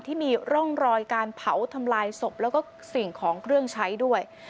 ที่มีร่องรอยการเผาทำลายศพแล้วก็สิ่งของเครื่องใช้ด้วย